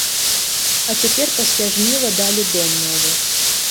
А цяпер пасля жніва далі дом новы.